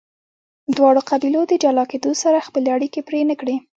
دواړو قبیلو د جلا کیدو سره خپلې اړیکې پرې نه کړې.